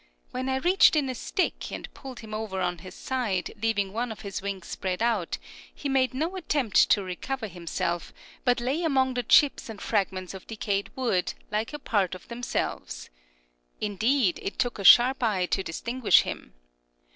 When I reached in a stick and pulled him over on his side, leaving one of his wings spread out, he made no attempt to recover himself, but lay among the chips and fragments of decayed wood, like a part of themselves. Indeed, it took a sharp eye to distinguish him.